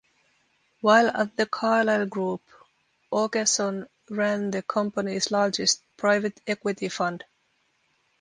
While at The Carlyle Group, Akerson ran the Company's largest private equity fund.